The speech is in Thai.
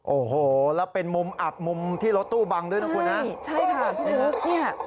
โอโหและเป็นมุมอับมุมที่รถตู้บังด้วยนะคุณน่ะ